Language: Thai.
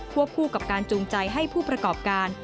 คู่กับการจูงใจให้ผู้ประกอบการ